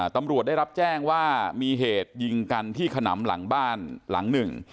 ตำรวจได้รับแจ้งว่ามีเหตุยิงกันที่ขนำหลังบ้านหลังหนึ่ง